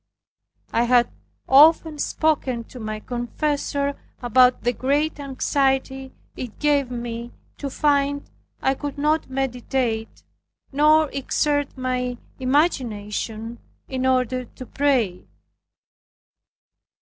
I had often spoken to my confessor about the great anxiety it gave me to find I could not meditate, nor exert my imagination in order to pray.